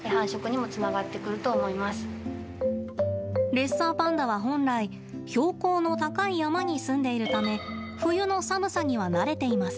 レッサーパンダは本来標高の高い山に住んでいるため冬の寒さには慣れています。